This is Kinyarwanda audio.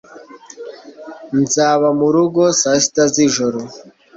Nzaba murugo saa sita z'ijoro.